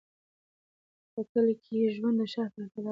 په کلي کې ژوند د ښار په پرتله ارام دی.